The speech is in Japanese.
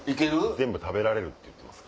全部食べられるって言ってます。